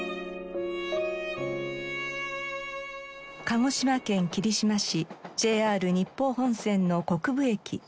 鹿児島県霧島市ＪＲ日豊本線の国分駅。